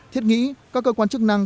thiết nghĩ các cơ quan chức năng